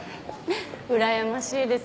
うらやましいです。